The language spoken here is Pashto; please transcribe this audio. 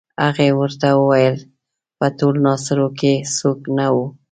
هغې ورته وویل په ټول ناصرو کې څوک نه وو.